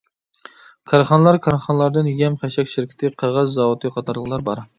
كارخانىلار كارخانىلاردىن يەم-خەشەك شىركىتى، قەغەز زاۋۇتى قاتارلىقلار بار.